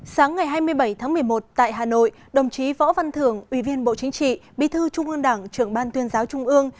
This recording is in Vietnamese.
sáng ngày hai mươi bảy tháng một mươi một tại hà nội đồng chí võ văn thưởng ủy viên bộ chính trị bí thư trung ương đảng trưởng ban tuyên giáo trung ương